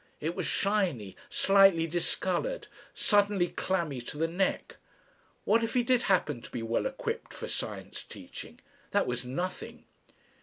It was shiny, slightly discoloured, suddenly clammy to the neck. What if he did happen to be well equipped for science teaching? That was nothing.